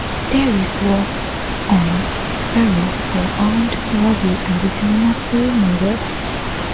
Davis was on parole for armed robbery at the time of the murders.